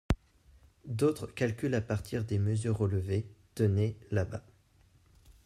d’autres calculent à partir des mesures relevées, tenez, là-bas